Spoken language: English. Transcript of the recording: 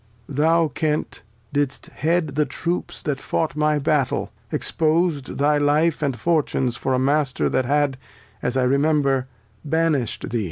Lear. Thou, Kent, didst head the Troops that fought my Battel, Expos'd thy Life and Fortunes for a Master That had (as I remember) banisht thee.